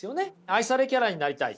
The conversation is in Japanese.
愛されキャラになりたい。